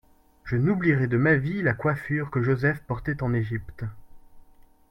Je n'oublierai de ma vie la coiffure que Joseph portait en Égypte.